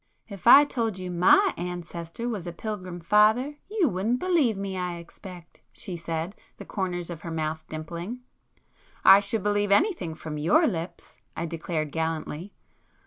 "If I told you my ancestor was a Pilgrim Father, you [p 196] wouldn't believe me I expect!" she said, the corners of her mouth dimpling. "I should believe anything from your lips!" I declared gallantly.